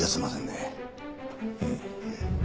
うん。